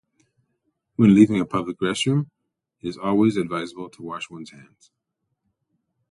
When leaving a public restroom, it is always advisable to wash one's hands.